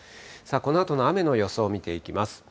このあとの雨の予想、見ていきます。